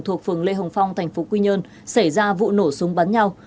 thuộc phường lê hồng phong thành phố quy nhơn xảy ra vụ nổ súng bắn nhau